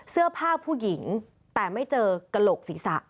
เสื้อผ้าผู้หญิงแต่ไม่เจอกระโหลกศีรษะ